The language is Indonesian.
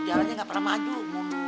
jalannya gak pernah maju